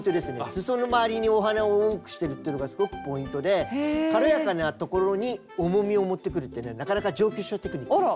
すその回りにお花を多くしてるっていうのがすごくポイントで軽やかなところに重みをもってくるってねなかなか上級者テクニックです。